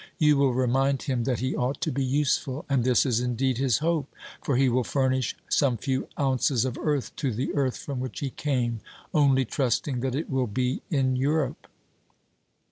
You will remind him that he ought to be useful, and this is indeed his hope, for he will furnish some few ounces of earth to the earth from which he came, only trusting that it will be in Europe.